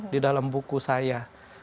di dalam buku saya